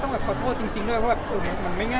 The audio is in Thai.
ต้องโขลโทษจริงด้วยว่ามันไม่ง่าย